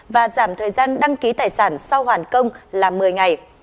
và giảm thời gian đăng ký tài sản sau hoàn công là một mươi ngày